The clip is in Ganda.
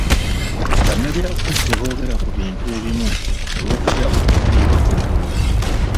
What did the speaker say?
Bannabyabufuzi teebogera ku bintu ebimu olw'okutya okufiirwa obululu.